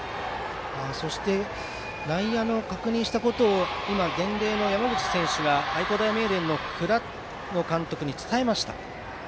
そして内野で確認したことを伝令の山口選手が愛工大名電の倉野監督に伝えました。